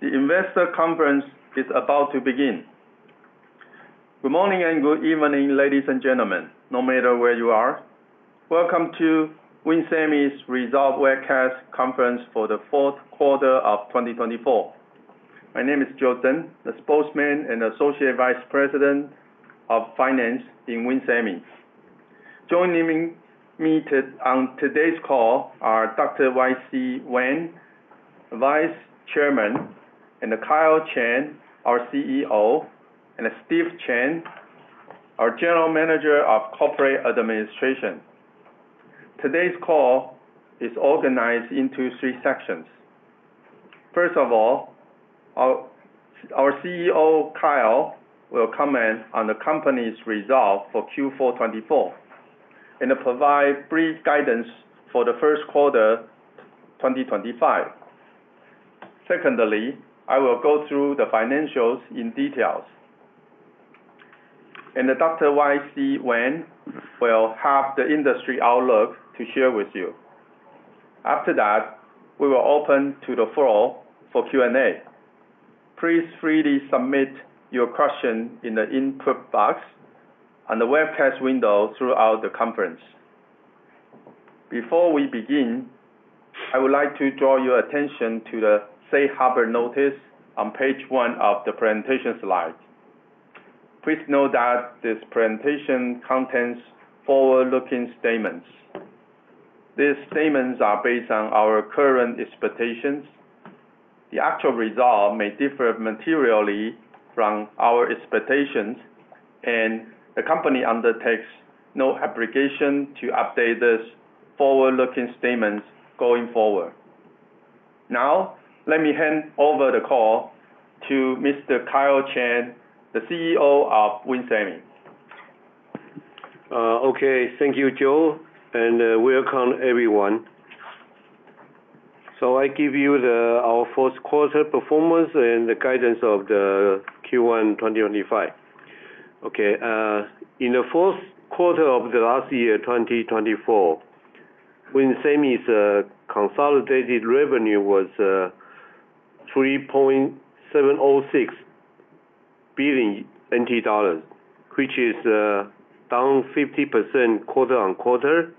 The Investor Conference is about to begin. Good morning and good evening, ladies and gentlemen, no matter where you are. Welcome to WIN Semiconductors' Resolve Webcast Conference for the Fourth Quarter of 2024. My name is Joe Tsen, the spokesman and Associate Vice President of Finance in WIN Semiconductors. Joining me on today's call are Dr. Y.C. Wang, Vice Chairman, and Kyle Chen, our CEO, and Steve Chen, our General Manager of Corporate Administration. Today's call is organized into three sections. First of all, our CEO, Kyle, will comment on the company's resolve for Q4 2024 and provide brief guidance for the first quarter 2025. Secondly, I will go through the financials in detail. Dr. Y.C. Wang will have the industry outlook to share with you. After that, we will open to the floor for Q&A. Please freely submit your questions in the input box on the webcast window throughout the conference. Before we begin, I would like to draw your attention to the safe harbor notice on page one of the presentation slide. Please note that this presentation contains forward-looking statements. These statements are based on our current expectations. The actual result may differ materially from our expectations, and the company undertakes no obligation to update these forward-looking statements going forward. Now, let me hand over the call to Mr. Kyle Chen, the CEO of WIN Semiconductors. Okay, thank you, Joe, and welcome everyone. I give you our first quarter performance and the guidance of Q1 2025. Okay, in the fourth quarter of the last year, 2024, WIN Semiconductors' consolidated revenue was 3.706 billion NT dollars, which is down 50% quarter-on-quarter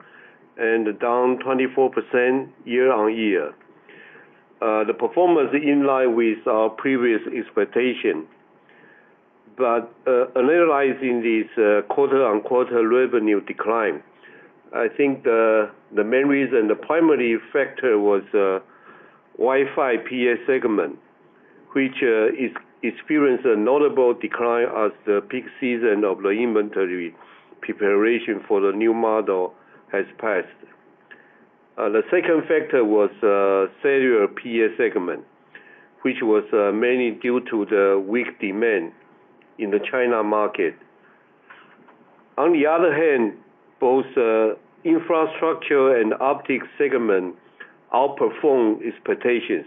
and down 24% year-on-year. The performance is in line with our previous expectation. But analyzing this quarter-on-quarter revenue decline, I think the main reason and the primary factor was Wi-Fi PA segment, which experienced a notable decline as the peak season of the inventory preparation for the new model has passed. The second factor was Cellular PA segment, which was mainly due to the weak demand in the China market. On the other hand, both infrastructure and optics segments outperformed expectations,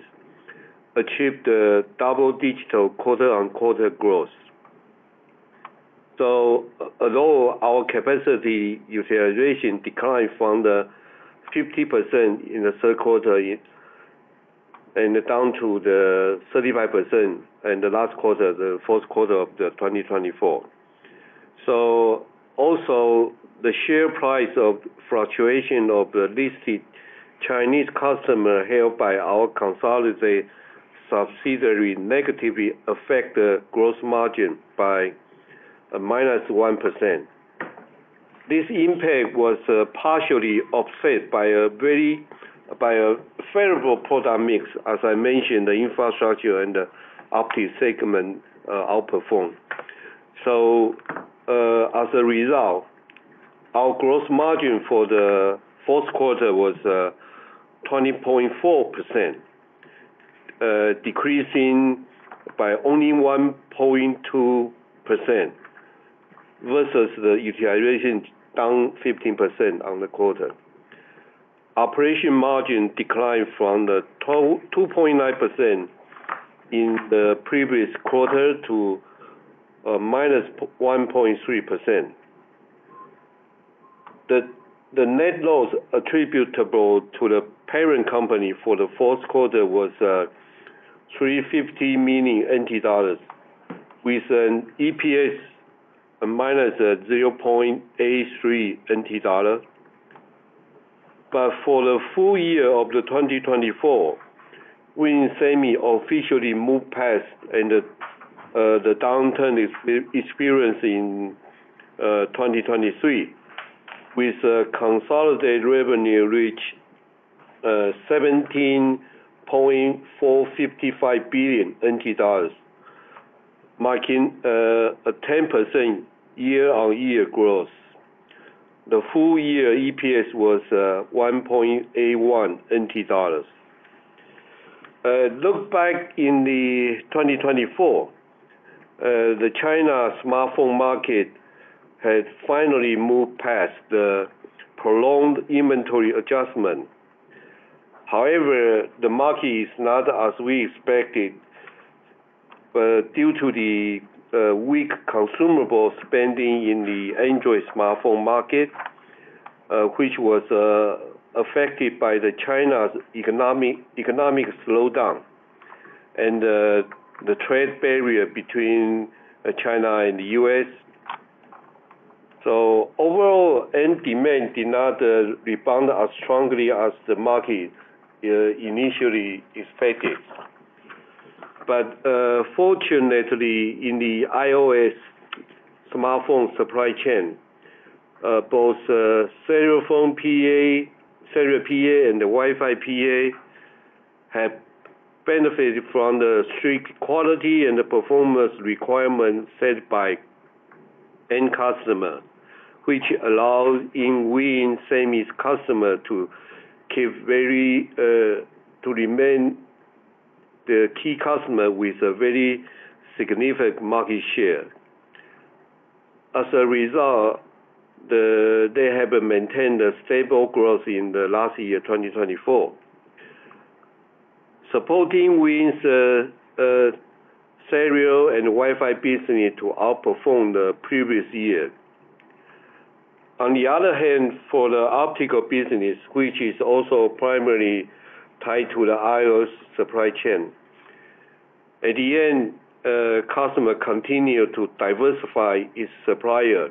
achieving double-digit quarter-on-quarter growth. Although our capacity utilization declined from 50% in the third quarter and down to 35% in the last quarter, the fourth quarter of 2024. Also the share price fluctuation of the listed Chinese customers held by our consolidated subsidiaries negatively affected the gross margin by -1%. This impact was partially offset by a favorable product mix. As I mentioned, the infrastructure and the optics segment outperformed. So as a result, our gross margin for the fourth quarter was 20.4%, decreasing by only 1.2% versus the utilization down 15% on the quarter. Operating margin declined from 2.9% in the previous quarter to -1.3%. The net loss attributable to the parent company for the fourth quarter was 350 million NT dollars with an EPS -0.83. But for the full year of 2024, WIN Semiconductors officially moved past the downturn experienced in 2023, with consolidated revenue reaching TWD 17.455 billion, marking a 10% year-on-year growth. The full year EPS was 1.81 NT dollars. Looking back in 2024, the China smartphone market had finally moved past the prolonged inventory adjustment. However, the market is not as we expected due to the weak consumer spending in the Android smartphone market, which was affected by China's economic slowdown and the trade barrier between China and the U.S. So overall, end demand did not rebound as strongly as the market initially expected. But fortunately, in the iOS smartphone supply chain, both Cellular PA and Wi-Fi PA have benefited from the strict quality and performance requirements set by end customers, which allows WIN Semiconductors' customers to remain the key customers with a very significant market share. As a result, they have maintained a stable growth in the last year, 2024, supporting WIN's Cellular and Wi-Fi business to outperform the previous year. On the other hand, for the optical business, which is also primarily tied to the iOS supply chain, at the end, customers continued to diversify its suppliers.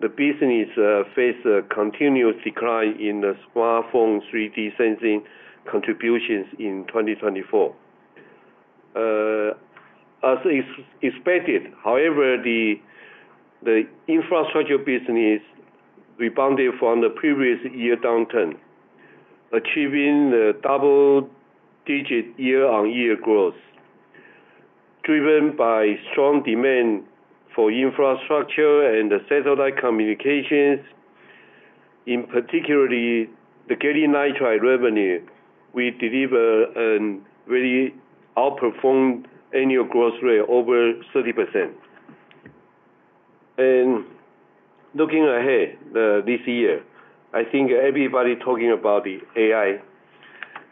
The business faced a continuous decline in the smartphone 3D sensing contributions in 2024. As expected, however, the infrastructure business rebounded from the previous year downturn, achieving a double-digit year-on-year growth driven by strong demand for infrastructure and satellite communications. In particular, the Gallium Nitride revenue, we delivered a very outperformed annual growth rate of over 30%, and looking ahead this year, I think everybody is talking about the AI.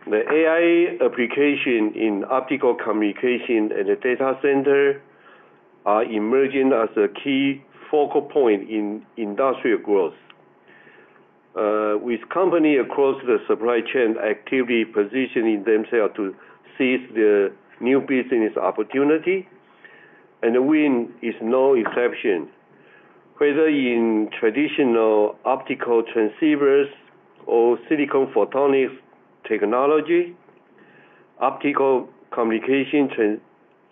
The AI applications in optical communications and data centers are emerging as a key focal point in industrial growth, with companies across the supply chain actively positioning themselves to seize the new business opportunities, and WIN is no exception. Whether in traditional optical transceivers or silicon photonics technology, optical communication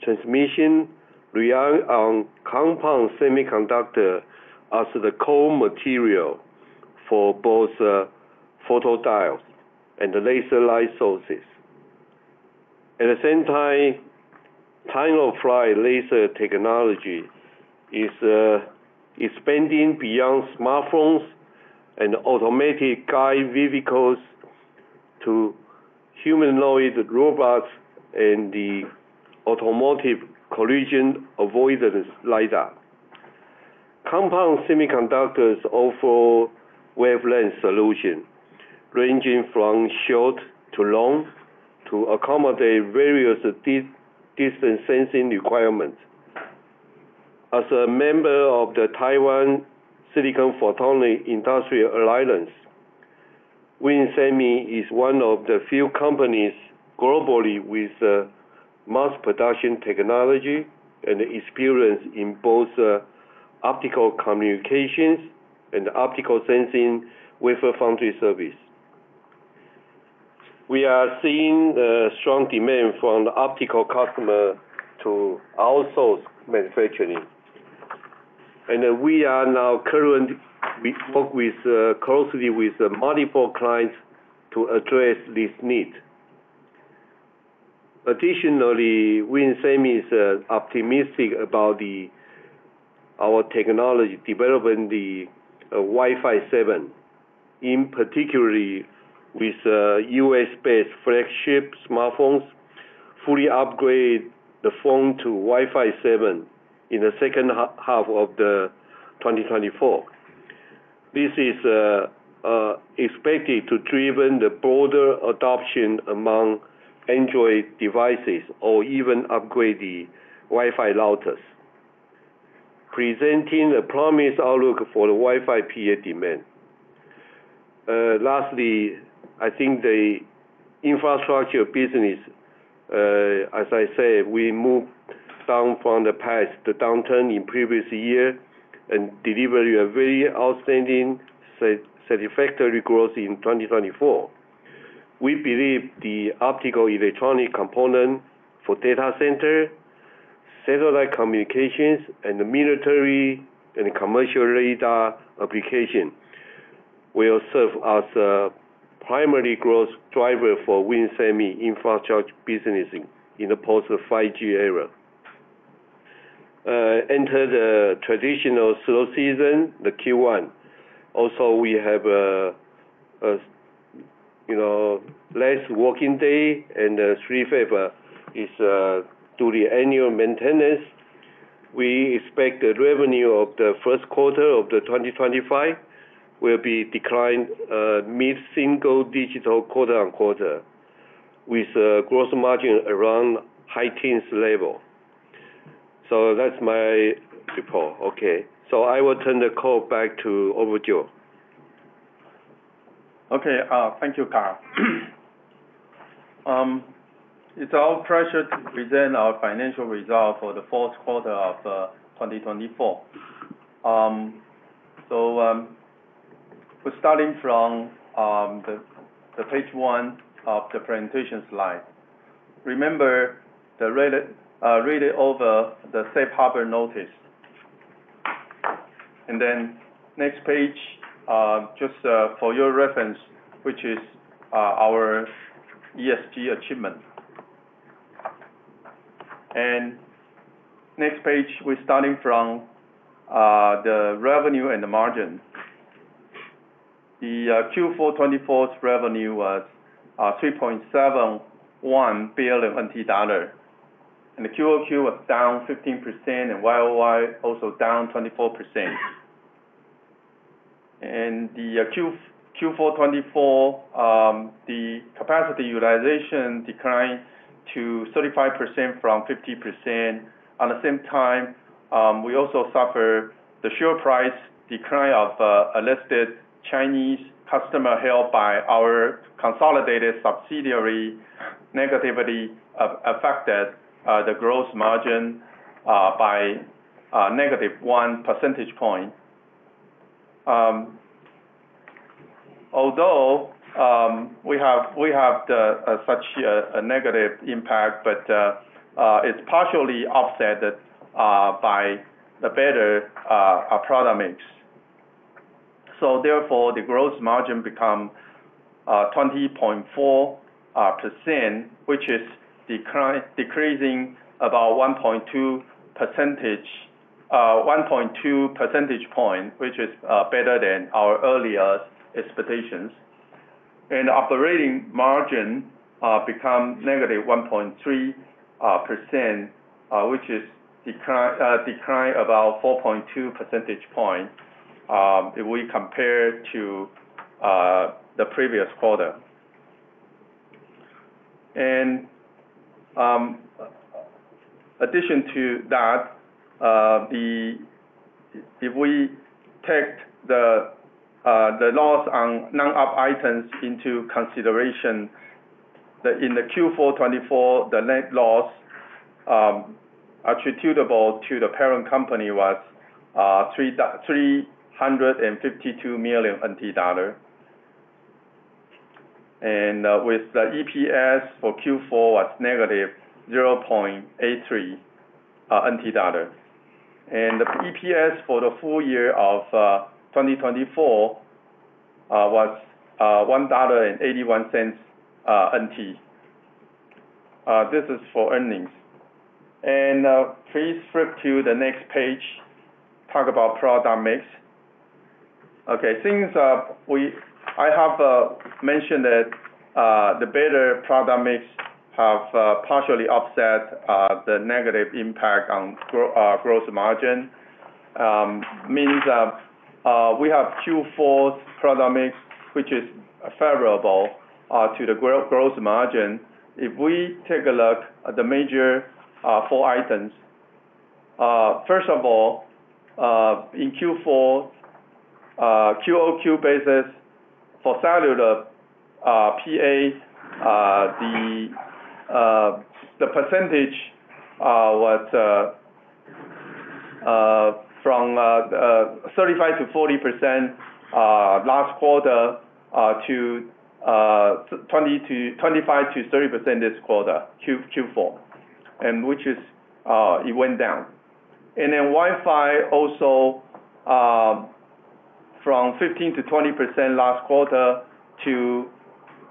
transmission relies on compound semiconductors as the core material for both photodiodes and laser light sources. At the same time, Time-of-Flight laser technology is expanding beyond smartphones and automatic guided vehicles to humanoid robots and the automotive collision avoidance LiDAR. Compound semiconductors offer wavelength solutions ranging from short to long to accommodate various distance sensing requirements. As a member of the Taiwan Silicon Photonics Industrial Alliance, WIN Semiconductors is one of the few companies globally with mass production technology and experience in both optical communications and optical sensing wafer foundry service. We are seeing strong demand from the optical customers to outsource manufacturing. And we are now currently working closely with multiple clients to address this need. Additionally, WIN Semiconductors is optimistic about our technology developing the Wi-Fi 7, in particular with U.S.-based flagship smartphones fully upgrading the phone to Wi-Fi 7 in the second half of 2024. This is expected to drive the broader adoption among Android devices or even upgrade the Wi-Fi routers, presenting a promised outlook for the Wi-Fi PA demand. Lastly, I think the infrastructure business, as I said, we moved down from the past downturn in the previous year and delivered a very outstanding satisfactory growth in 2024. We believe the optical electronic components for data centers, satellite communications, and military and commercial radar applications will serve as the primary growth driver for WIN Semiconductors' infrastructure business in the post-5G era. Entering the traditional slow season, the Q1. Also, we have less working days, and the 3/5 is due to the annual maintenance. We expect the revenue of the first quarter of 2025 will be declined mid-single-digit quarter-on-quarter, with a gross margin around high-teens level. So that's my report. Okay, so I will turn the call back over to Joe. Okay, thank you, Kyle. It's our pleasure to present our financial results for the fourth quarter of 2024. We're starting from page one of the presentation slide. Remember to read it over the Safe Harbor Notice. Next page, just for your reference, which is our ESG achievement. Next page, we're starting from the revenue and the margin. The Q4 2024 revenue was 3.71 billion NT dollar, and the QoQ was down 15%, and YoY also down 24%. The Q4 2024 capacity utilization declined to 35% from 50%. At the same time, we also suffered the share price decline of a listed Chinese customer held by our consolidated subsidiary, negatively affected the gross margin by negative one percentage point. Although we have such a negative impact, it's partially offset by the better product mix. So therefore, the gross margin became 20.4%, which is decreasing about 1.2 percentage points, which is better than our earlier expectations. And operating margin became -1.3%, which is a decline of about 4.2 percentage points if we compare to the previous quarter. And in addition to that, if we take the loss on non-op items into consideration, in the Q4 2024, the net loss attributable to the parent company was 352 million NT dollar. And with the EPS for Q4 was -0.83 NT dollar. And the EPS for the full year of 2024 was 1.81 NT dollars. This is for earnings. And please flip to the next page, talk about product mix. Okay, since I have mentioned that the better product mix has partially offset the negative impact on gross margin, it means we have Q4 product mix, which is favorable to the gross margin. If we take a look at the major four items, first of all, in Q4, QoQ basis for Cellular PA, the percentage was from 35%-40% last quarter to 25%-30% this quarter, Q4, which is it went down. And then Wi-Fi also from 15%-20% last quarter to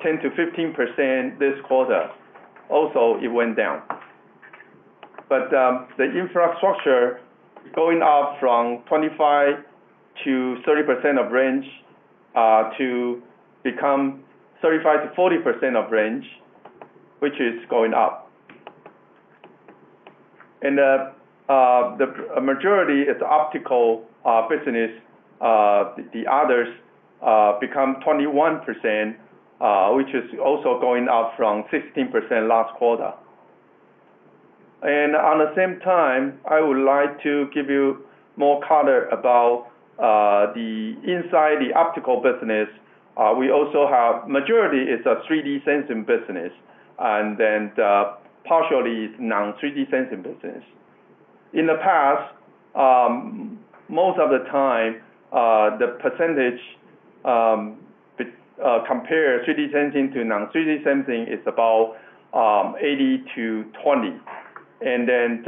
10%-15% this quarter, also it went down. But the infrastructure is going up from 25%-30% of range to become 35%-40% of range, which is going up. And the majority is optical business. The others became 21%, which is also going up from 16% last quarter. And at the same time, I would like to give you more color about the inside the optical business. We also have the majority is a 3D sensing business, and then partially non-3D sensing business. In the past, most of the time, the percentage compared to 3D sensing to non-3D sensing is about 80%-20%. Then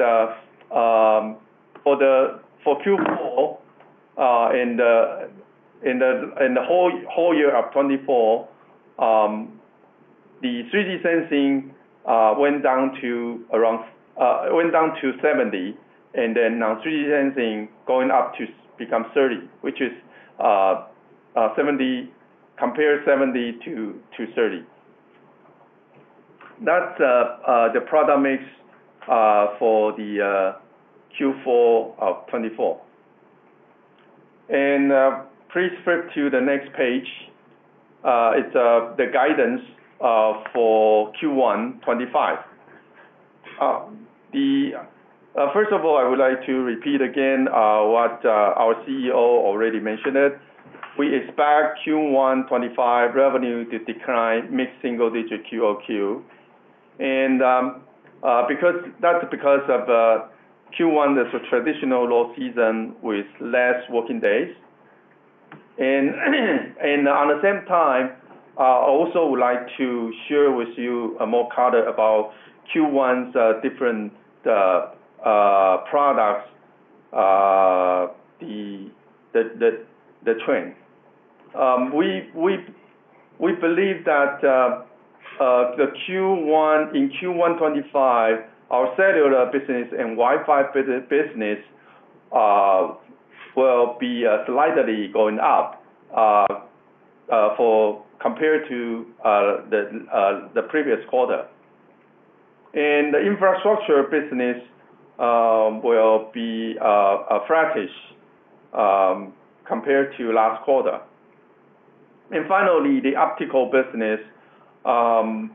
for Q4 and the whole year of 2024, the 3D sensing went down to around 70%, and then non-3D sensing going up to become 30%, which is compared 70%-30%. That's the product mix for the Q4 of 2024. Please flip to the next page. It's the guidance for Q1 2025. First of all, I would like to repeat again what our CEO already mentioned. We expect Q1 2025 revenue to decline mid-single digit QoQ. That's because Q1 2025 is a traditional low season with less working days. At the same time, I also would like to share with you more color about Q1 2025's different products, the trend. We believe that in Q1 2025, our Cellular business and Wi-Fi business will be slightly going up compared to the previous quarter. And the infrastructure business will be flattish compared to last quarter. And finally, the optical business,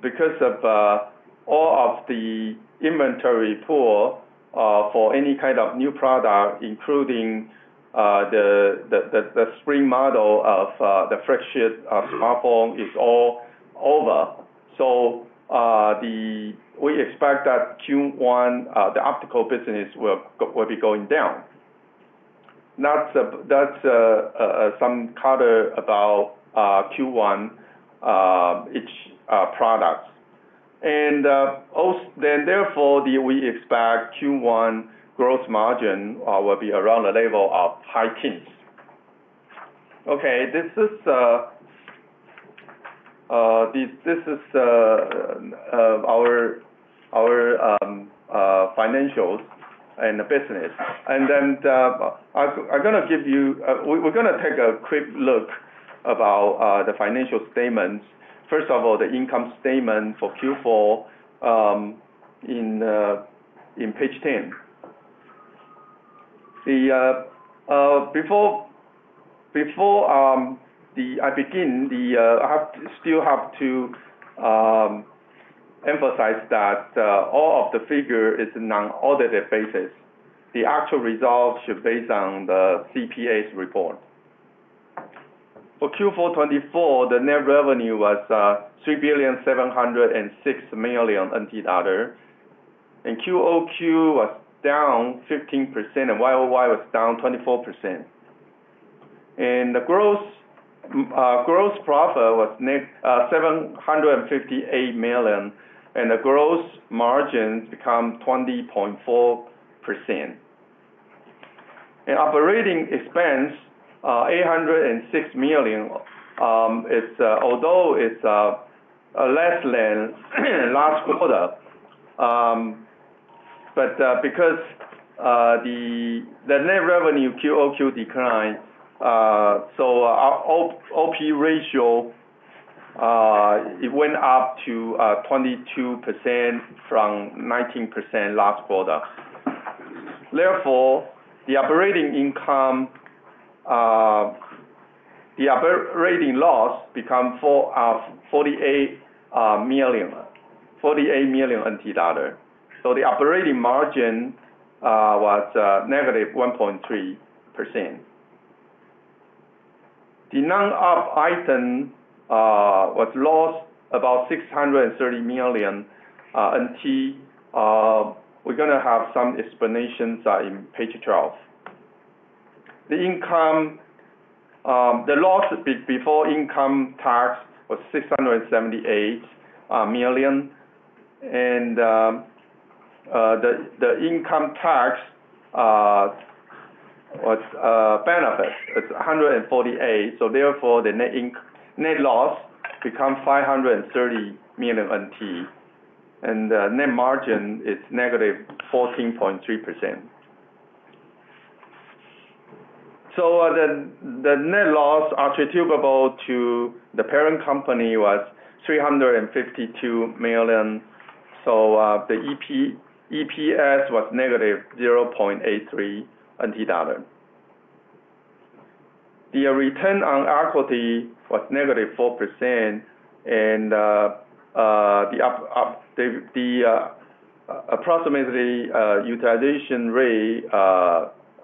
because of all of the inventory pool for any kind of new product, including the spring model of the flagship smartphone, is all over. So we expect that Q1 2025, the optical business will be going down. That's some color about Q1 2025 products. And therefore, we expect Q1 2025 gross margin will be around the level of high teens. Okay, this is our financials and the business. And then we're going to take a quick look about the financial statements. First of all, the income statement for Q4 on page 10. Before I begin, I still have to emphasize that all of the figures are unaudited basis. The actual results should be based on the CPA's report. For Q4 2024, the net revenue was 3,706 million NT dollar, and QoQ was down 15%, and YoY was down 24%. The gross profit was 758 million, and the gross margin became 20.4%. Operating expense, 806 million, although it's less than last quarter, but because the net revenue QoQ declined, so our OP Ratio went up to 22% from 19% last quarter. Therefore, the operating income, the operating loss became 48 million, so the operating margin was negative 1.3%. The non-op item was lost about 630 million NT. We're going to have some explanations in page 12. The loss before income tax was 678 million, and the income tax benefit is 148 million. Therefore, the net loss became 530 million NT, and the net margin is -14.3%. So the net loss attributable to the parent company was 352 million, so the EPS was -0.83. The return on equity was -4%, and the approximate utilization rate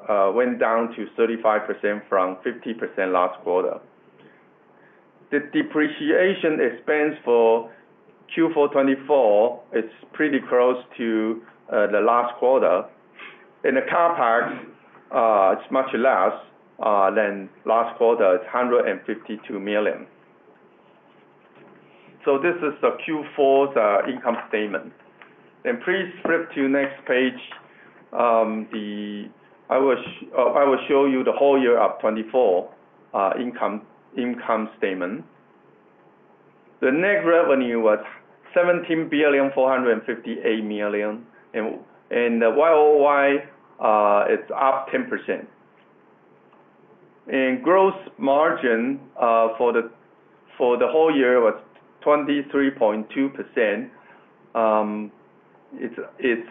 went down to 35% from 50% last quarter. The depreciation expense for Q4 2024 is pretty close to the last quarter. In the CapEx, it is much less than last quarter, 152 million. So this is the Q4 income statement. And please flip to the next page. I will show you the whole year of 2024 income statement. The net revenue was 17,458 million, and the YoY is up 10%. And gross margin for the whole year was 23.2%. It is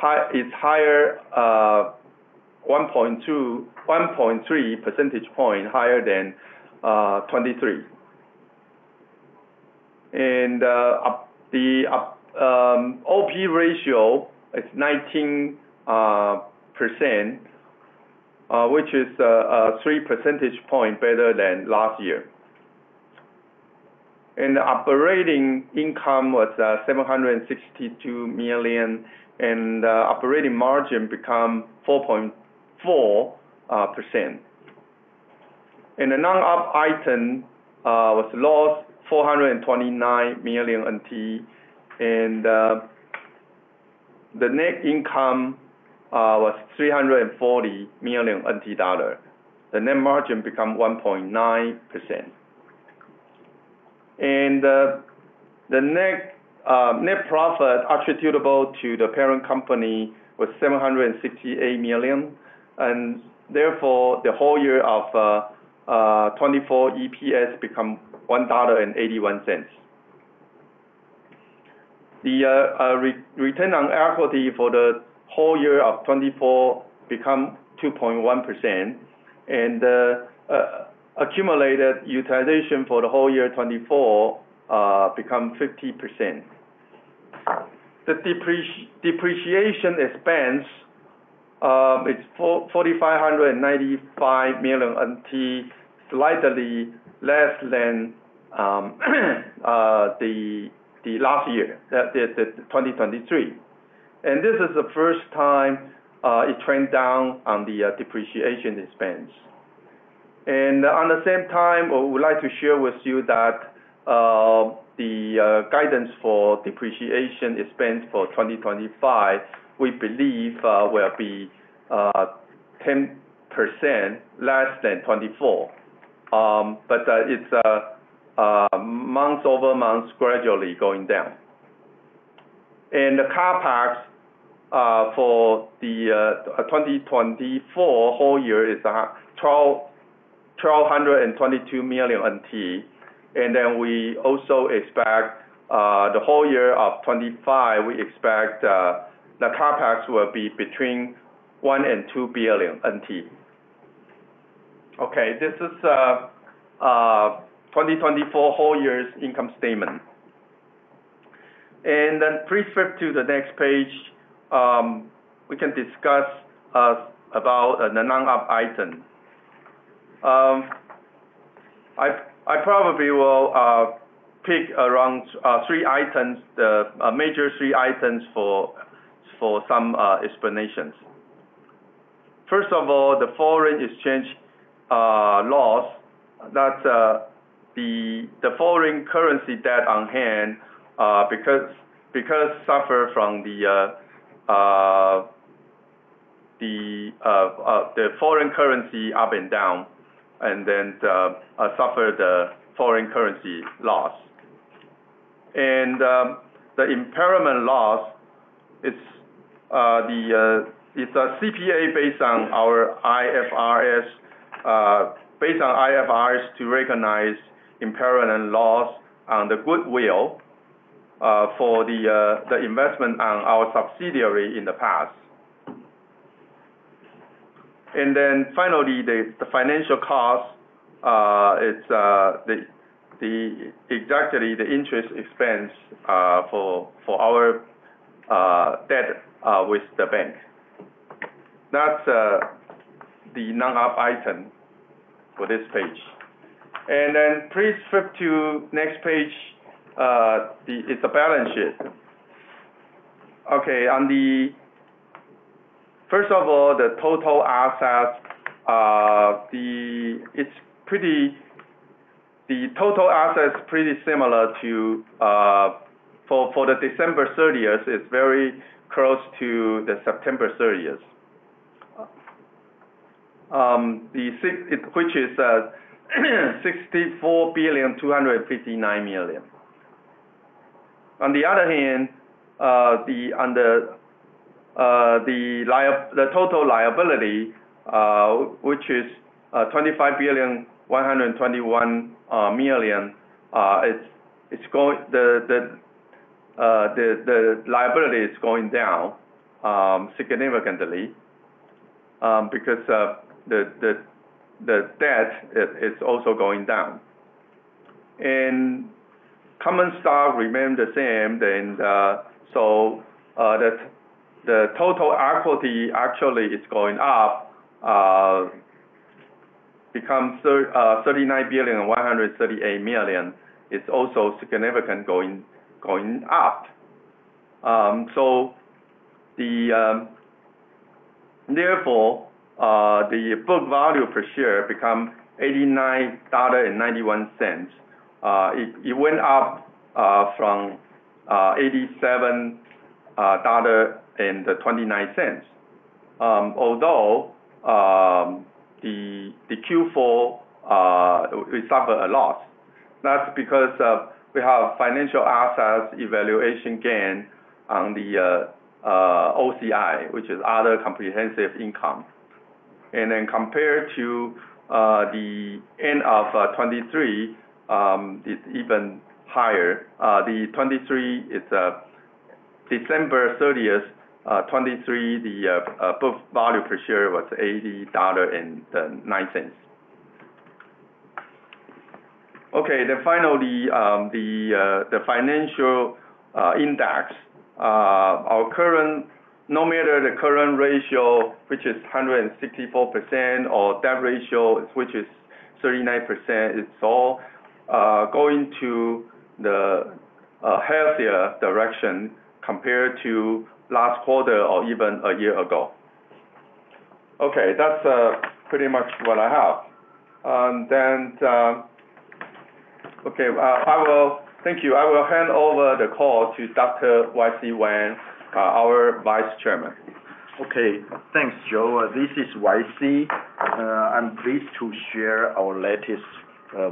higher, 1.3 percentage points higher than 23. And the OP ratio is 19%, which is 3 percentage points better than last year. And the operating income was 762 million, and the operating margin became 4.4%. The non-op item was lost 429 million NT, and the net income was 340 million NT dollar. The net margin became 1.9%. The net profit attributable to the parent company was 768 million. Therefore, the whole year of 2024 EPS became 1.81. The return on equity for the whole year of 2024 became 2.1%, and the accumulated utilization for the whole year of 2024 became 50%. The depreciation expense is 4,595 million NT, slightly less than last year, 2023. This is the first time it trended down on the depreciation expense. At the same time, I would like to share with you that the guidance for depreciation expense for 2025, we believe, will be 10% less than 2024. But it's month-over-month gradually going down. The CapEx for the 2024 whole year is 1,222 million NT. Then we also expect the whole year of 2025. We expect the CapEx will be between $1 and $2 billion. Okay, this is the 2024 whole year's income statement. Then please flip to the next page. We can discuss about the non-op item. I probably will pick around three items, the major three items for some explanations. First of all, the foreign exchange loss, that's the foreign currency debt on hand because it suffered from the foreign currency up and down, and then suffered the foreign currency loss. And the impairment loss is calculated based on our IFRS, based on IFRS to recognize impairment loss on the goodwill for the investment on our subsidiary in the past. Then finally, the financial cost is exactly the interest expense for our debt with the bank. That's the non-op item for this page. And then please flip to the next page. It's the balance sheet. Okay, first of all, the total assets. The total assets are pretty similar to for the December 30th. It's very close to the September 30th, which is 64,259 million. On the other hand, the total liability, which is 25,121 million. The liability is going down significantly because the debt is also going down. And common stock remained the same, so the total equity actually is going up. It becomes 39,138 million. It's also significantly going up. So therefore, the book value per share became 89.91. It went up from 87.29 dollars, although the Q4 suffered a loss. That's because we have financial assets evaluation gain on the OCI, which is other comprehensive income. And then compared to the end of 2023, it's even higher. The 2023 is December 30th, 2023. The book value per share was 80.09 dollar. Okay, then finally, the financial index, no matter the current ratio, which is 164%, or debt ratio, which is 39%, it's all going to the healthier direction compared to last quarter or even a year ago. Okay, that's pretty much what I have. Then, okay, thank you. I will hand over the call to Dr. Y.C. Wang, our Vice Chairman. Okay, thanks, Joe. This is Y.C. I'm pleased to share our latest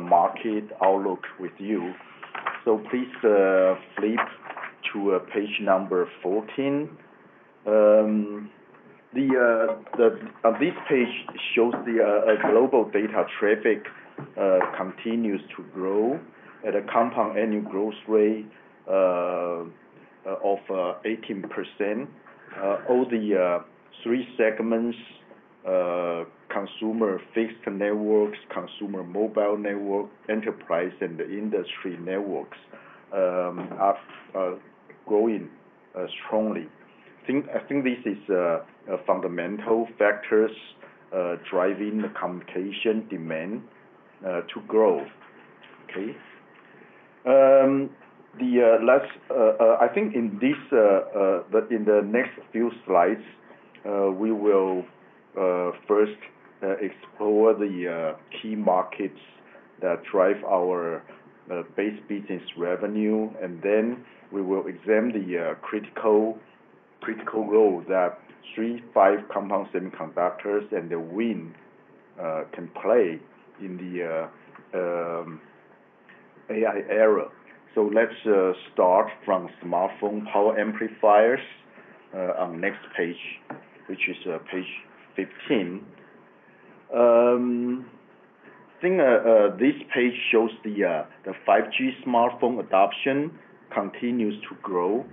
market outlook with you. So please flip to page number 14. On this page, it shows the global data traffic continues to grow at a compound annual growth rate of 18%. All the three segments: Consumer Fixed networks, Consumer Mobile networks, Enterprise, and the Industry networks are growing strongly. I think this is fundamental factors driving the computation demand to grow. Okay, I think in the next few slides, we will first explore the key markets that drive our base business revenue, and then we will examine the critical role that three, five compound semiconductors and WIN can play in the AI era. So let's start from smartphone power amplifiers on the next page, which is page 15. I think this page shows the 5G smartphone adoption continues to grow.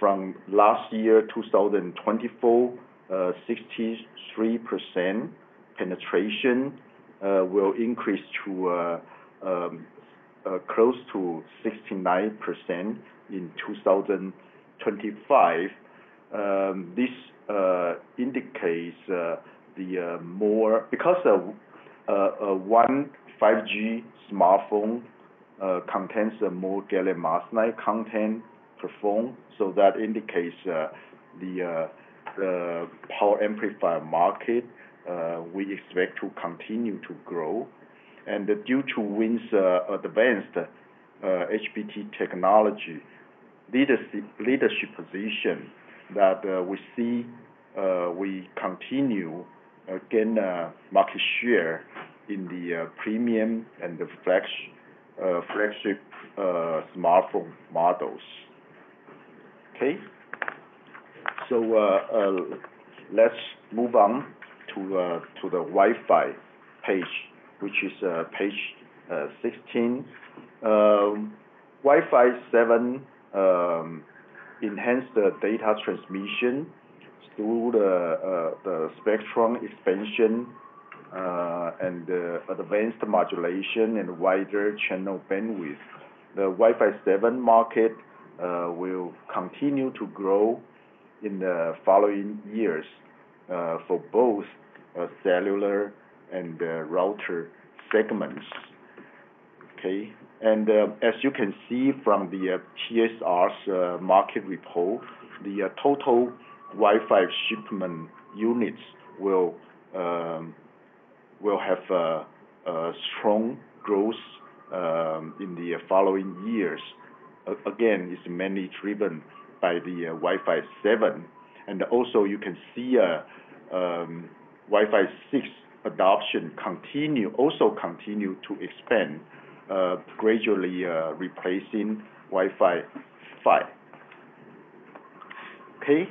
From last year, 2024, 63% penetration will increase to close to 69% in 2025. This indicates the more because one 5G smartphone contains more Gallium Arsenide content per phone, so that indicates the power amplifier market we expect to continue to grow. Due to WIN's advanced HBT technology leadership position that we see, we continue to gain market share in the premium and the flagship smartphone models. Okay, so let's move on to the Wi-Fi page, which is page 16. Wi-Fi 7 enhanced data transmission through the spectrum expansion and advanced modulation and wider channel bandwidth. The Wi-Fi 7 market will continue to grow in the following years for both Cellular and Router segments. Okay, and as you can see from the TSR's market report, the total Wi-Fi shipment units will have strong growth in the following years. Again, it's mainly driven by the Wi-Fi 7. And also, you can see Wi-Fi 6 adoption also continues to expand, gradually replacing Wi-Fi 5. Okay,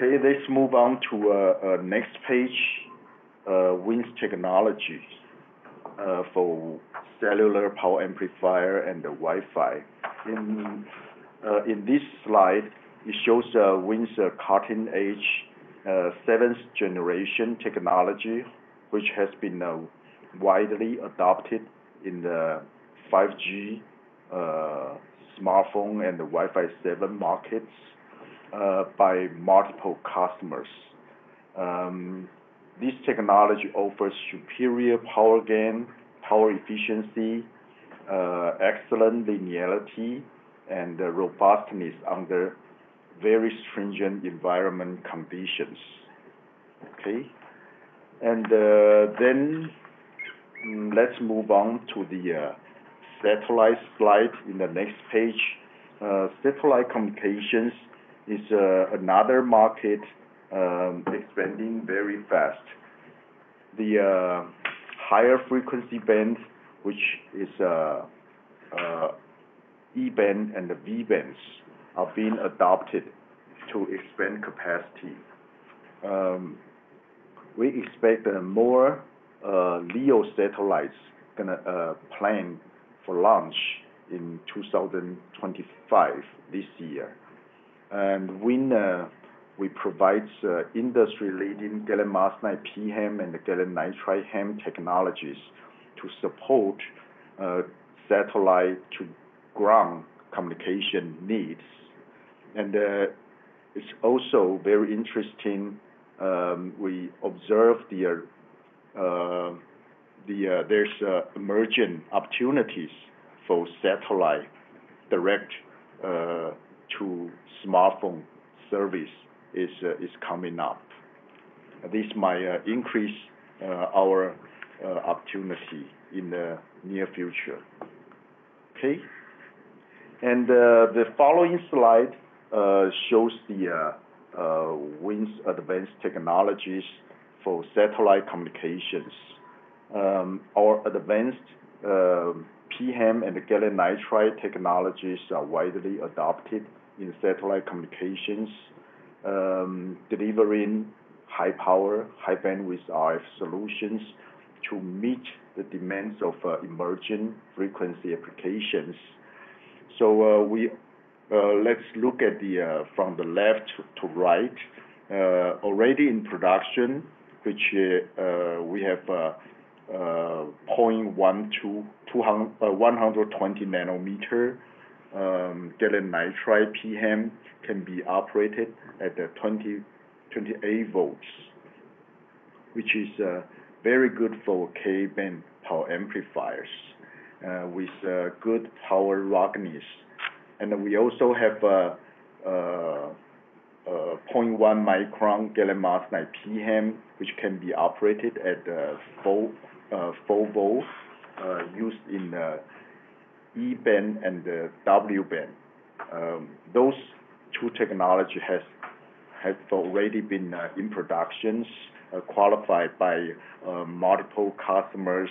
let's move on to the next page, WIN technology for cellular power amplifier and Wi-Fi. In this slide, it shows WIN's cutting-edge seventh-generation technology, which has been widely adopted in the 5G smartphone and Wi-Fi 7 markets by multiple customers. This technology offers superior power gain, power efficiency, excellent linearity, and robustness under very stringent environmental conditions. Okay, and then let's move on to the satellite slide on the next page. Satellite communications is another market expanding very fast. The higher frequency band which is, E-band and V-bands, are being adopted to expand capacity. We expect more LEO satellites planned for launch in 2025 this year. And WIN provides industry-leading Gallium Arsenide pHEMT and Gallium Nitride HEMT technologies to support satellite-to-ground communication needs. And it's also very interesting. We observe there's emerging opportunities for satellite direct-to-smartphone service is coming up. This might increase our opportunity in the near future. Okay, and the following slide shows the WIN's advanced technologies for satellite communications. Our advanced pHEMT and Gallium Nitride technologies are widely adopted in satellite communications, delivering high-power, high-bandwidth RF solutions to meet the demands of emerging frequency applications. So let's look at them from left to right. Already in production, which we have 0.120 nanometer Gallium Nitride pHEMT can be operated at 28 volts, which is very good for K-band power amplifiers with good power roughness. And we also have 0.1 micron Gallium Arsenide pHEMT, which can be operated at 4 volts, used in E-band and W-band. Those two technologies have already been in production, qualified by multiple customers.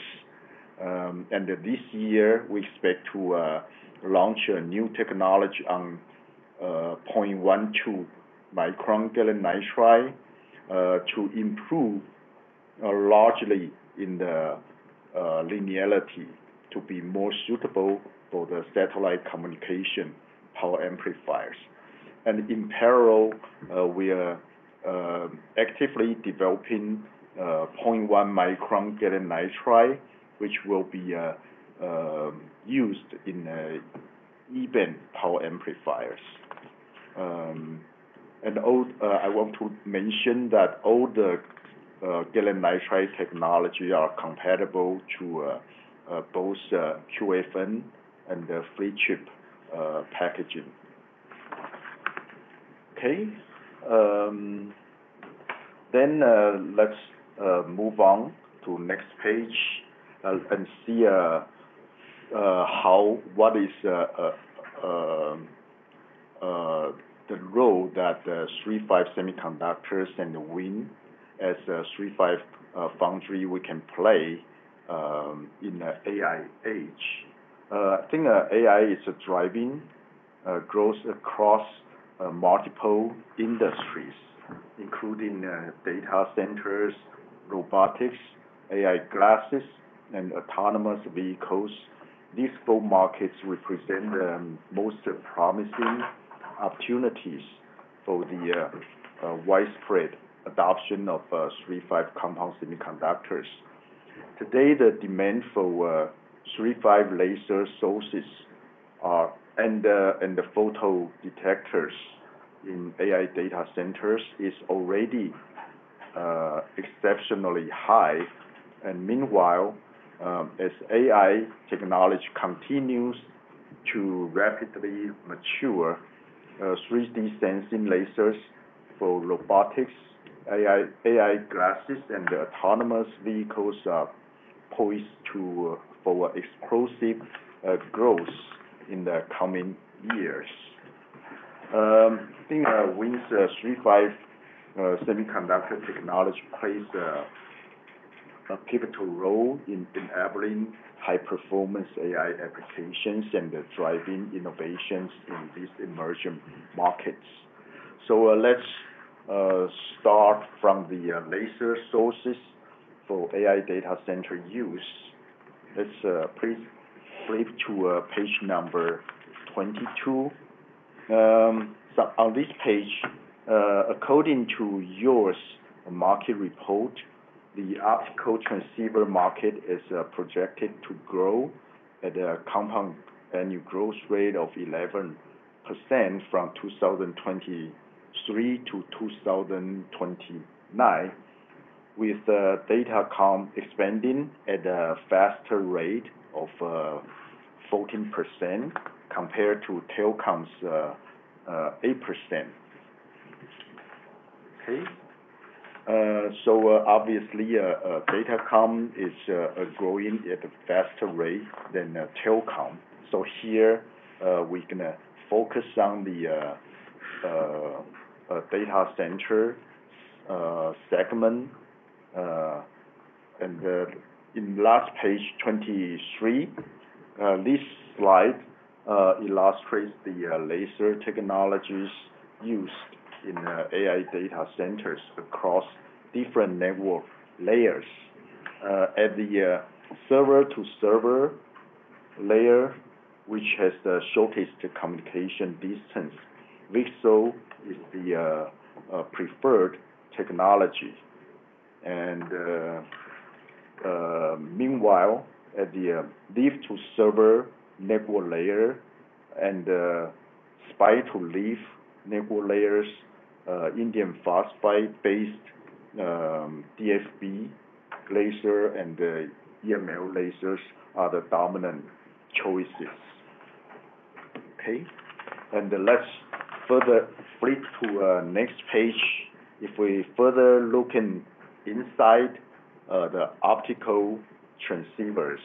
This year, we expect to launch a new technology on 0.12 micron Gallium Nitride to improve largely in the linearity to be more suitable for the satellite communication power amplifiers. In parallel, we are actively developing 0.1 micron Gallium Nitride, which will be used in E-band power amplifiers. I want to mention that all the Gallium Nitride technologies are compatible to both QFN and the Flip Chip packaging. Okay, then let's move on to the next page and see what is the role that III-V semiconductors and WIN as a III-V foundry we can play in the AI age. I think AI is driving growth across multiple industries, including data centers, robotics, AI glasses, and autonomous vehicles. These four markets represent the most promising opportunities for the widespread adoption of III-V compound semiconductors. Today, the demand for InP laser sources and photodetectors in AI data centers is already exceptionally high, and meanwhile, as AI technology continues to rapidly mature, 3D sensing lasers for robotics, AI glasses, and autonomous vehicles are poised for explosive growth in the coming years. I think WIN's InP semiconductor technology plays a pivotal role in enabling high-performance AI applications and driving innovations in these emerging markets, so let's start from the laser sources for AI data center use. Let's flip to page number 22. On this page, according to YOR's market report, the optical transceiver market is projected to grow at a compound annual growth rate of 11% from 2023-2029, with data comm expanding at a faster rate of 14% compared to telecom's 8%. Okay, so obviously, data comm is growing at a faster rate than telecom. So here, we're going to focus on the data center segment. And on page 23, this slide illustrates the laser technologies used in AI data centers across different network layers. At the server-to-server layer, which has the shortest communication distance, VCSEL is the preferred technology. And meanwhile, at the leaf-to-server network layer and spine-to-leaf network layers, indium phosphide-based DFB laser and EML lasers are the dominant choices. Okay, and let's further flip to the next page. If we further look inside the optical transceivers,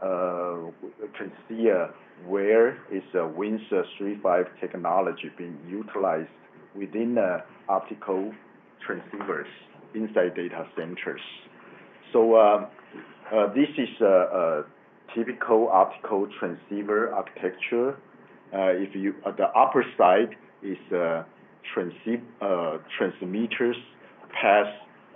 we can see where WIN's InP technology is being utilized within the optical transceivers inside data centers. So this is a typical optical transceiver architecture. The upper side is transmit path,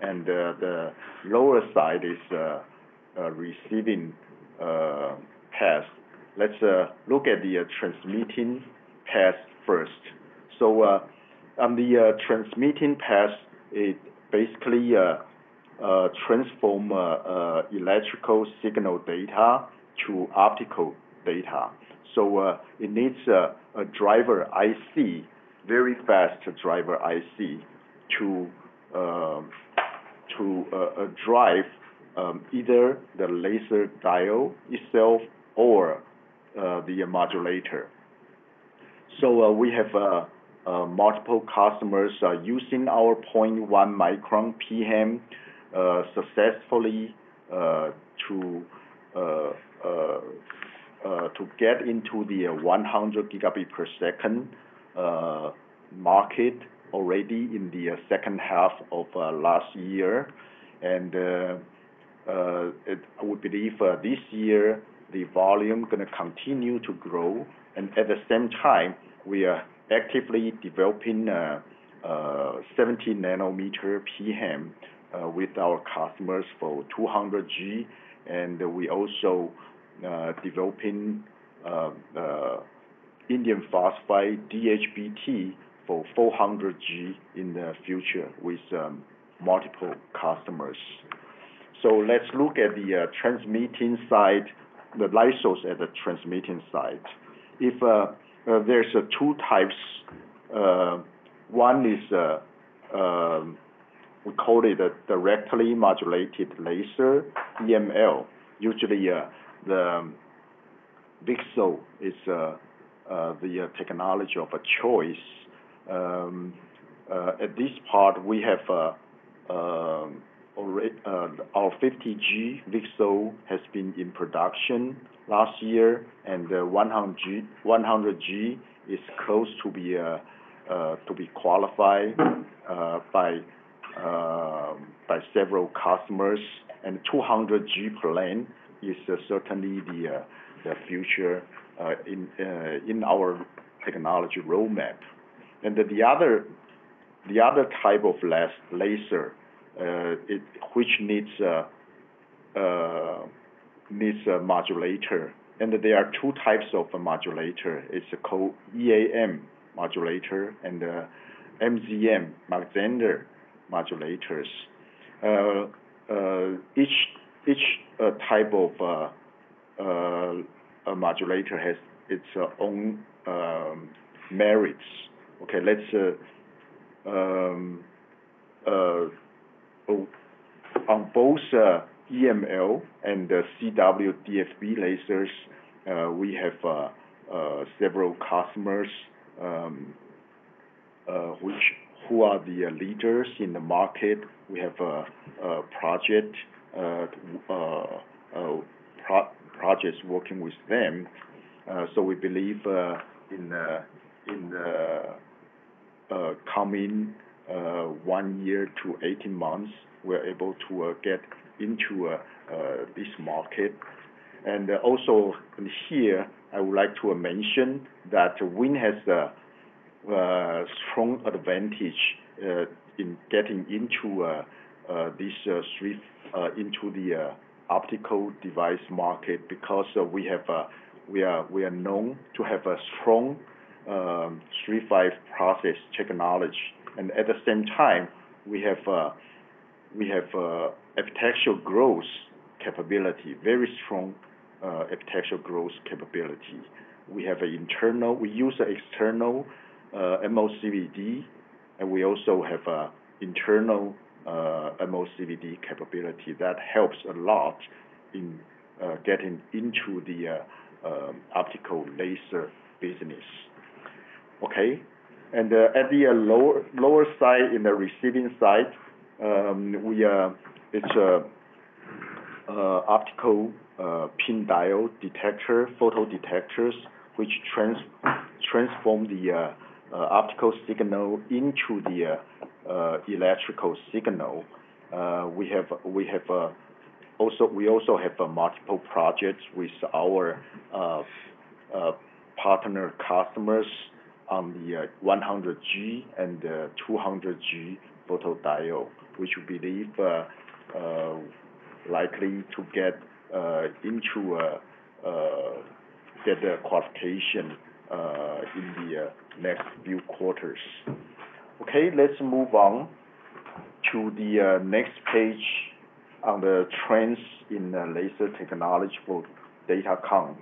and the lower side is receive path. Let's look at the transmitting path first. So on the transmitting path, it basically transforms electrical signal data to optical data. So it needs a Driver IC, very fast Driver IC, to drive either the laser diode itself or the modulator. So we have multiple customers using our 0.1 micron pHEMT successfully to get into the 100 Gb per second market already in the second half of last year. And I believe this year, the volume is going to continue to grow. And at the same time, we are actively developing 70 nanometer pHEMT with our customers for 200G. And we are also developing indium phosphide DHBT for 400G in the future with multiple customers. So let's look at the transmitting side, the lasers at the transmitting side. There's two types. One is we call it a directly modulated laser, EML. Usually, the VCSEL is the technology of choice. At this part, we have our 50G VCSEL has been in production last year, and 100G is close to being qualified by several customers, and 200G plan is certainly the future in our technology roadmap. And the other type of laser, which needs a modulator, and there are two types of modulator. It's called EAM modulator and MZM Mach-Zehnder modulators. Each type of modulator has its own merits. Okay, on both EML and CW DFB lasers, we have several customers who are the leaders in the market. We have projects working with them. So we believe in the coming one year to 18 months, we're able to get into this market, and also here, I would like to mention that WIN has a strong advantage in getting into this optical device market because we are known to have a strong 35 process technology. And at the same time, we have architectural growth capability, very strong architectural growth capability. We use external MOCVD, and we also have internal MOCVD capability that helps a lot in getting into the optical laser business. Okay, and at the lower side in the receiving side, it's optical PIN diode detector, photodetectors, which transform the optical signal into the electrical signal. We also have multiple projects with our partner customers on the 100G and 200G photodiode, which we believe are likely to get into the qualification in the next few quarters. Okay, let's move on to the next page on the trends in laser technology for datacom.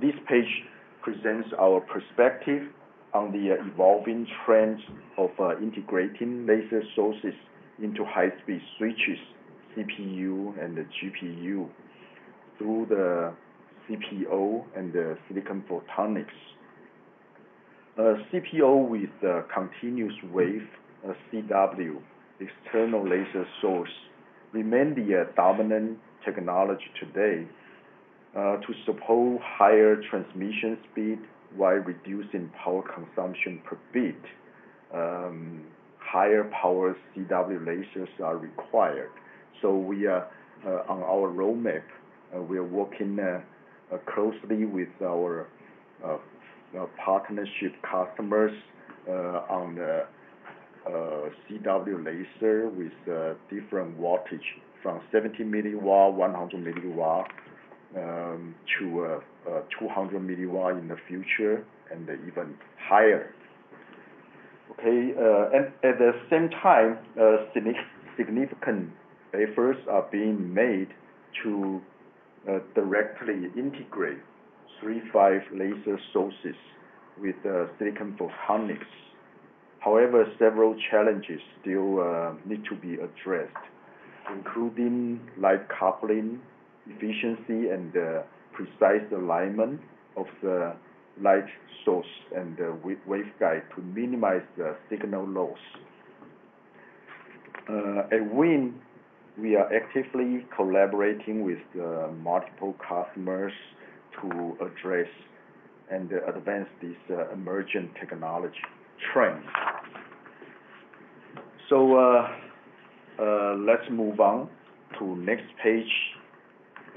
This page presents our perspective on the evolving trends of integrating laser sources into high-speed switches, CPU and GPU, through the CPO and silicon photonics. CPO with continuous wave CW external laser source remains the dominant technology today to support higher transmission speed while reducing power consumption per bit. Higher power CW lasers are required. So on our roadmap, we are working closely with our partnership customers on the CW laser with different voltage from 70 milliwatts, 100 milliwatts to 200 milliwatts in the future, and even higher. Okay, and at the same time, significant efforts are being made to directly integrate InP laser sources with silicon photonics. However, several challenges still need to be addressed, including light coupling efficiency and precise alignment of the light source and the waveguide to minimize the signal loss. At WIN, we are actively collaborating with multiple customers to address and advance this emerging technology trend. So let's move on to the next page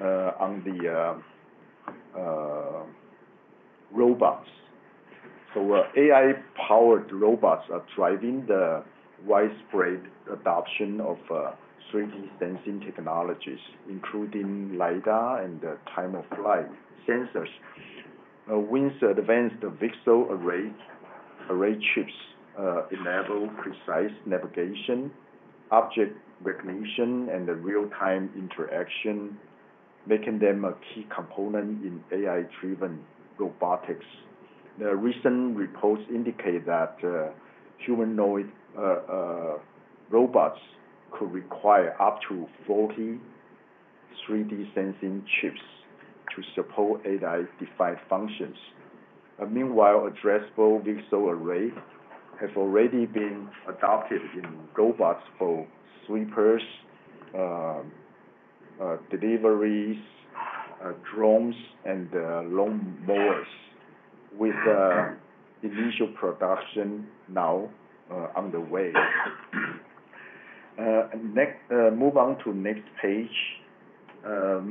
on the robots. AI-powered robots are driving the widespread adoption of 3D sensing technologies, including LiDAR and time-of-flight sensors. WIN's advanced VCSEL array chips enable precise navigation, object recognition, and real-time interaction, making them a key component in AI-driven robotics. The recent reports indicate that humanoid robots could require up to 40 3D sensing chips to support AI-defined functions. Meanwhile, addressable VCSEL array has already been adopted in robots for sweepers, deliveries, drones, and lawnmowers, with initial production now underway. Move on to the next page. I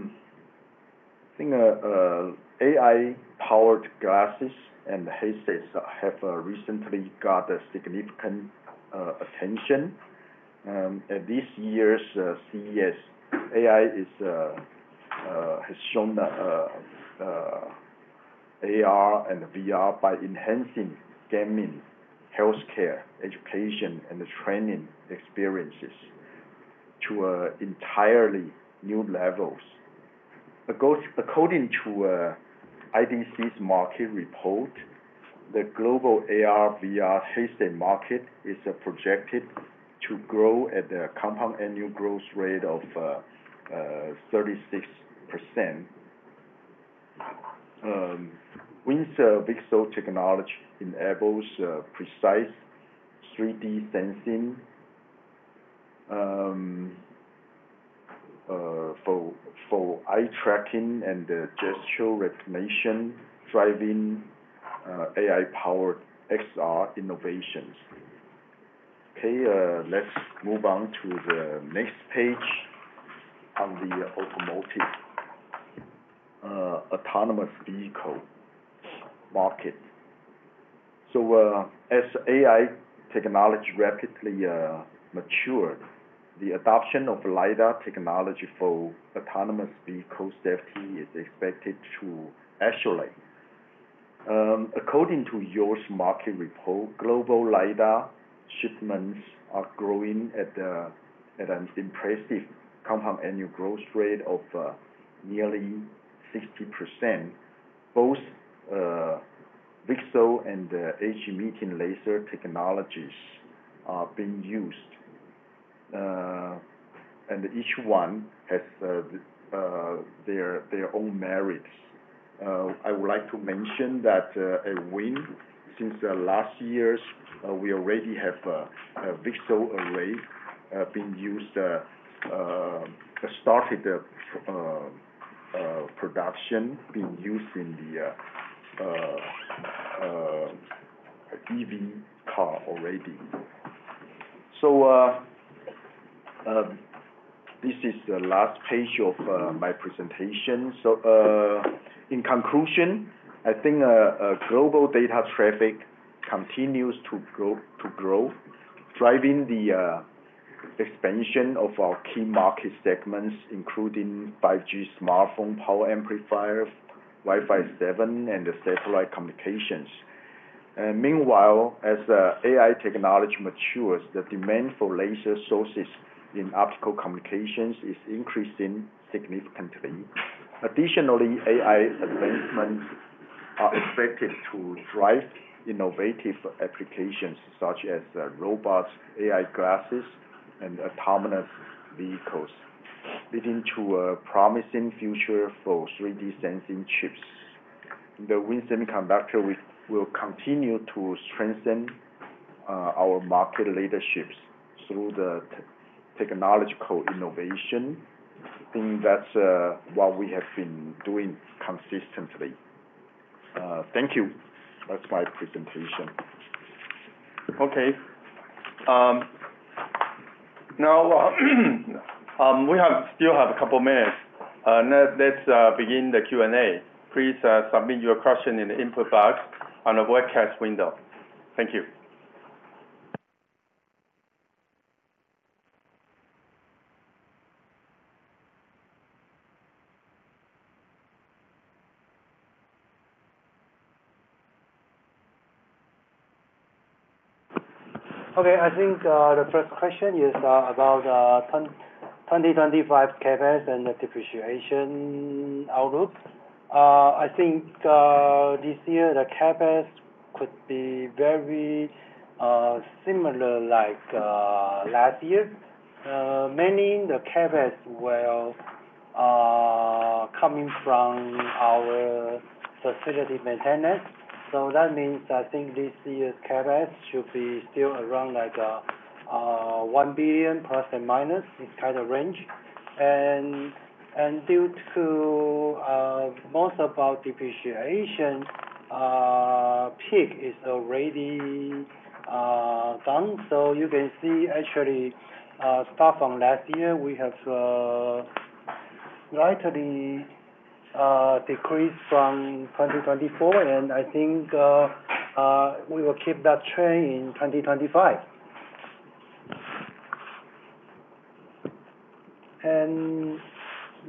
think AI-powered glasses and headsets have recently got significant attention. This year's CES. AI has shown AR and VR by enhancing gaming, healthcare, education, and training experiences to entirely new levels. According to IDC's market report, the global AR/VR headset market is projected to grow at a compound annual growth rate of 36%. WIN's VIXO technology enables precise 3D sensing for eye tracking and gestural recognition, driving AI-powered XR innovations. Okay, let's move on to the next page on the automotive autonomous vehicle market, so as AI technology rapidly matured, the adoption of LiDAR technology for autonomous vehicle safety is expected to accelerate. According to YOR's market report, global LiDAR shipments are growing at an impressive compound annual growth rate of nearly 60%. Both VIXO and DFB laser technologies are being used, and each one has their own merits. I would like to mention that at WIN, since last year, we already have a VIXO array being used, started production, being used in the EV car already, so this is the last page of my presentation. So in conclusion, I think global data traffic continues to grow, driving the expansion of our key market segments, including 5G smartphone, power amplifiers, Wi-Fi 7, and satellite communications. Meanwhile, as AI technology matures, the demand for laser sources in optical communications is increasing significantly. Additionally, AI advancements are expected to drive innovative applications such as robots, AI glasses, and autonomous vehicles, leading to a promising future for 3D sensing chips. WIN Semiconductors will continue to strengthen our market leadership through technological innovation. I think that's what we have been doing consistently. Thank you. That's my presentation. Okay, now we still have a couple of minutes. Let's begin the Q&A. Please submit your question in the input box on the webcast window. Thank you. Okay, I think the first question is about 2025 CapEx and the depreciation outlook. I think this year, the CapEx could be very similar like last year. Mainly, the CapEx will come in from our facility maintenance. So that means I think this year's CapEx should be still around like 1 billion plus and minus, this kind of range. Due to most of our depreciation peak is already done, you can see actually start from last year, we have slightly decreased from 2024, and I think we will keep that trend in 2025.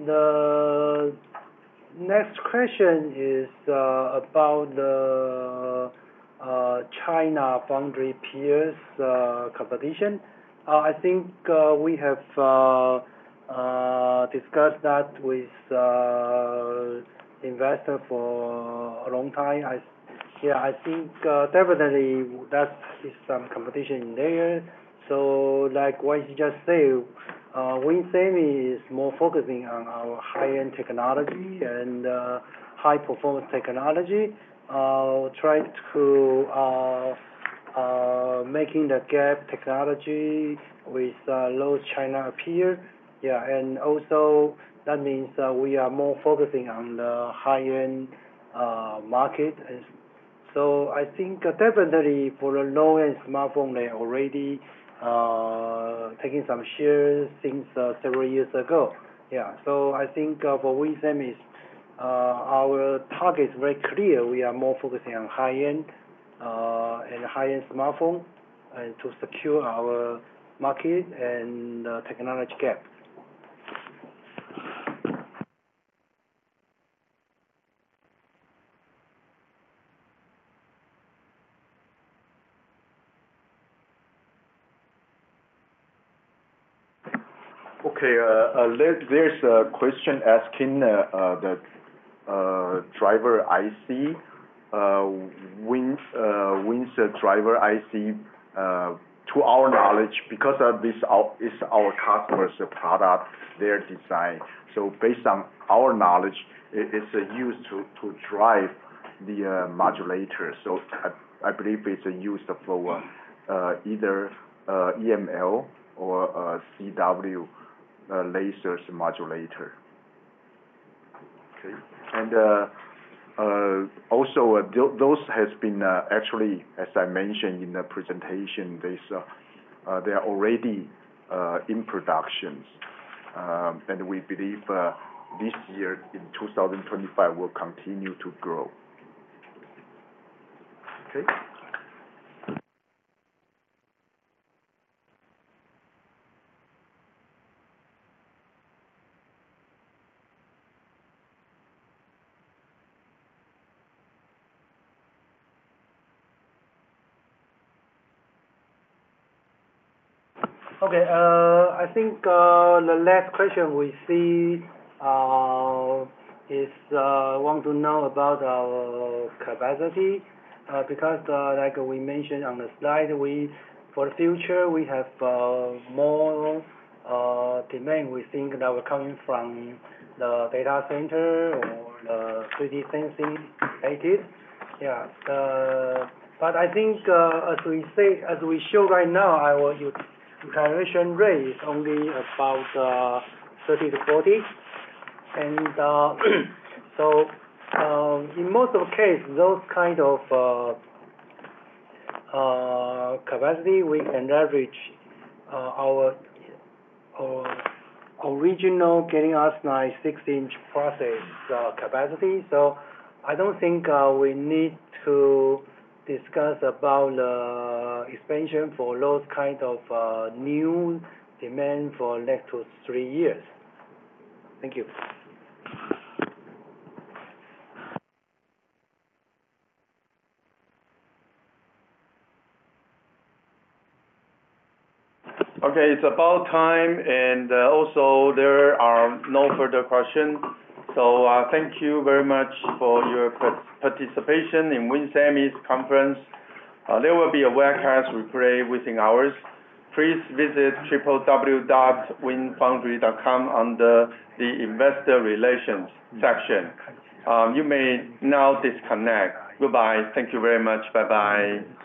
The next question is about the China foundry peers competition. I think we have discussed that with investors for a long time. Yeah, I think definitely that is some competition in there. So like what you just said, WIN Semi is more focusing on our high-end technology and high-performance technology, trying to make the gap technology with low China peers. Yeah, and also that means we are more focusing on the high-end market. So I think definitely for the low-end smartphone, they're already taking some shares since several years ago. Yeah, so I think for WIN Semi, our target is very clear. We are more focusing on high-end and high-end smartphone to secure our market and technology gap. Okay, there's a question asking the driver IC. WIN's driver IC, to our knowledge, because it's our customer's product, their design. So based on our knowledge, it's used to drive the modulator. So I believe it's used for either EML or CW lasers modulator. Okay, and also those have been actually, as I mentioned in the presentation, they are already in production. And we believe this year in 2025 will continue to grow. Okay. Okay, I think the last question we see is want to know about our capacity. Because, like we mentioned on the slide, for the future, we have more demand. We think that will come in from the data center or the 3D sensing related. Yeah, but I think as we show right now, our utilization rate is only about 30-40. And so in most of the cases, those kind of capacity, we can leverage our original GaN HBT 16-inch process capacity. So I don't think we need to discuss about the expansion for those kind of new demand for next three years. Thank you. Okay, it's about time. And also there are no further questions. So thank you very much for your participation in WIN Semis conference. There will be a webcast replay within hours. Please visit www.winsemi.com under the investor relations section. You may now disconnect. Goodbye. Thank you very much. Bye-bye.